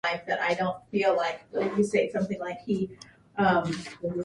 In the Mozarabic, Carthusian, Dominican, and Carmelite Rites, it is called the "officium".